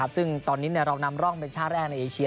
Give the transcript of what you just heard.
ซึ่งตอนนี้เรานำร่องเป็นชาติแรกในเอเชีย